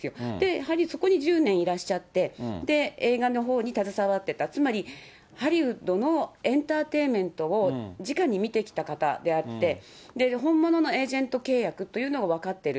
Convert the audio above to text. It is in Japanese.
やはりそこに１０年いらっしゃって、映画のほうに携わっていた、つまりハリウッドのエンターテインメントをじかに見てきた方であって、本物のエージェント契約というものが分かってる。